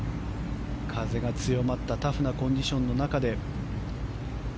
風が強まったタフなコンディションの中で。